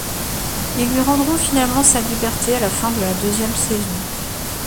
Ils lui rendront finalement sa liberté à la fin de la deuxième saison.